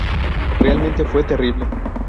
Realmente, fue terrible.